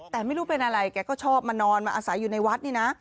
แต่ไม่รู้เป็นอะไรแกก็ชอบมานอนมาอาศัยอยู่ในวัดนี่นะ